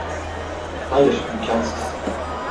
Hayır, imkansız.